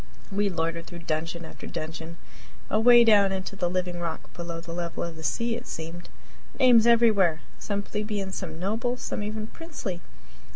We loitered through dungeon after dungeon, away down into the living rock below the level of the sea, it seemed. Names everywhere! some plebeian, some noble, some even princely.